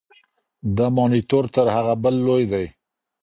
دا مانیټور تر هغه بل لوی دی.